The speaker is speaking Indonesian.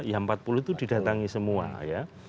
ya empat puluh itu didatangi semua ya